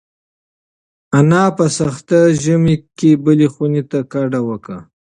انا په سخت ژمي کې بلې خونې ته کډه وکړه.